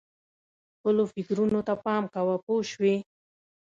خپلو فکرونو ته پام کوه پوه شوې!.